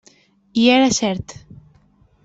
I era cert.